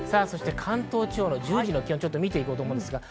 関東地方の１０時の気温を見ていきます。